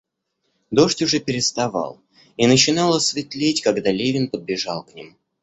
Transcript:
Дождь уже переставал, и начинало светлеть, когда Левин подбежал к ним.